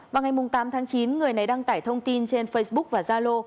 vào ngày tám tháng chín người này đăng tải thông tin trên facebook và zalo